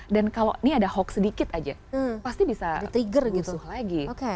dan kalau ini ada hoax sedikit aja pasti bisa rusuh lagi